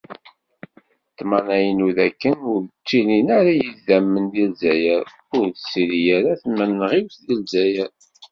Ṭṭmna-inu dakken ur d-ttilin ara yidammen di Lezzayer, ur d-tettili ara tmenɣiwt di Lezzayer.